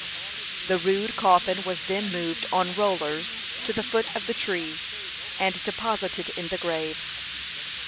The rude coffin was then moved on rollers to the foot of the tree, and deposited in the grave.